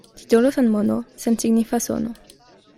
Titolo sen mono — sensignifa sono.